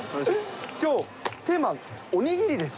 きょう、テーマはおにぎりです。